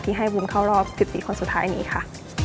ให้วุ้นเข้ารอบ๑๔คนสุดท้ายนี้ค่ะ